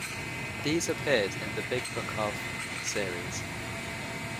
These appeared in the Big Book Of... series.